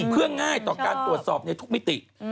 เพื่อง่ายต่อการตรวจสอบในทุกมิติ